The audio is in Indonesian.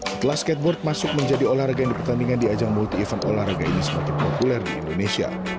setelah skateboard masuk menjadi olahraga yang dipertandingkan di ajang multi event olahraga ini semakin populer di indonesia